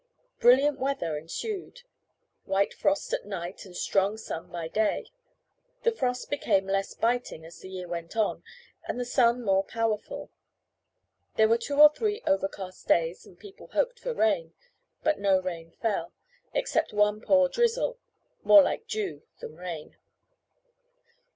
Brilliant weather ensued; white frost at night, and strong sun by day. The frost became less biting as the year went on, and the sun more powerful; there were two or three overcast days, and people hoped for rain. But no rain fell, except one poor drizzle, more like dew than rain.